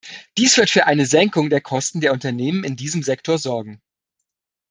Dies wird für eine Senkung der Kosten der Unternehmen in diesem Sektor sorgen.